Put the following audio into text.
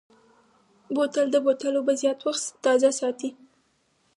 بوتل د بوتل اوبه زیات وخت تازه ساتي.